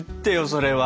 それは！